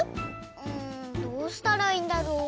んどうしたらいいんだろう？